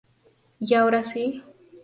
Y ahora sí.